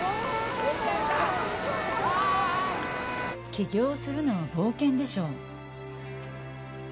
「起業するのは冒険でしょう」